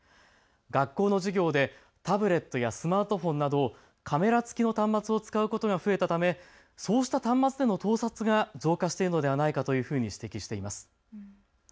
学校の授業でタブレットやスマートフォンなど、カメラ付きの端末を使うことが増えたためそうした端末での盗撮が増加しているのではないかというふうに指摘しています。